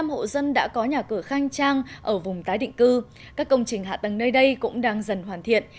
ba mươi năm hộ dân đã có nhà cửa khang trang ở vùng tái định cư các công trình hạ tầng nơi đây cũng đang dần hoàn thiện